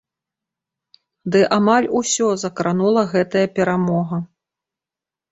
Ды амаль усё закранула гэтая перамога.